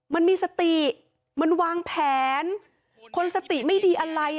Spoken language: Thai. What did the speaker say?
มันมีสติมันวางแผนคนสติไม่ดีอะไร